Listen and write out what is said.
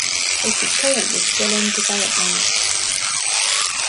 It is currently still in development.